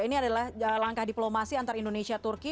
ini adalah langkah diplomasi antara indonesia turki